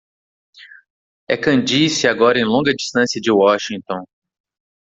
É Candice agora em longa distância de Washington!